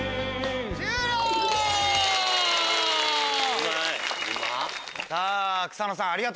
うまい！